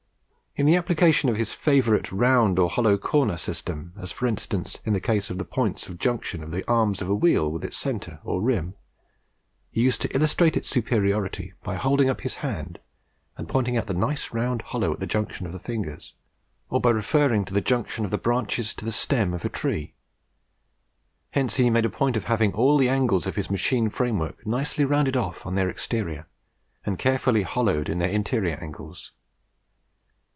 In the application of his favourite round or hollow corner system as, for instance, in the case of the points of junction of the arms of a wheel with its centre and rim he used to illustrate its superiority by holding up his hand and pointing out the nice rounded hollow at the junction of the fingers, or by referring to the junction of the branches to the stem of a tree. Hence he made a point of having all the angles of his machine framework nicely rounded off on their exterior, and carefully hollowed in their interior angles.